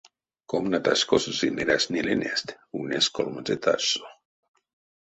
Комнатась, косо сынь эрясть ниленест, ульнесь колмоце этажсо.